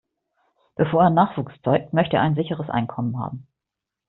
Bevor er Nachwuchs zeugt, möchte er ein sicheres Einkommen haben.